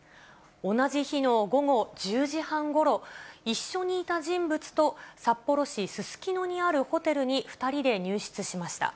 同じ日の午後１０時半ごろ、一緒にいた人物と、札幌市すすきのにあるホテルに２人で入室しました。